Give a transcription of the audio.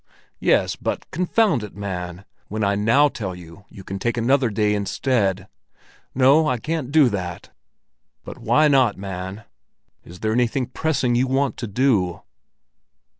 "Yes; but, confound it, man, when I now tell you you can take another day instead!" "No, I can't do that." "But why not, man? Is there anything pressing you want to do?"